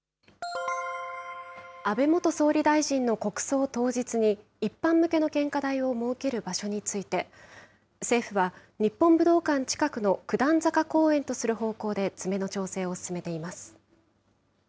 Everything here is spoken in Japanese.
安倍元総理大臣の国葬当日に、一般向けの献花台を設ける場所について、政府は、日本武道館近くの九段坂公園とする方向で詰めの調整を進めています。